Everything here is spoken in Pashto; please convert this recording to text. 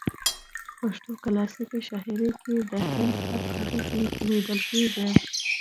پښتو کلاسیکه شاعرۍ کې د هندي سبک اغیز لیدل کیږي